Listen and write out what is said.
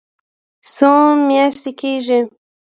څو میاشتې کیږي؟